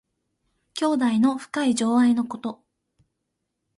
兄弟の深い情愛のこと。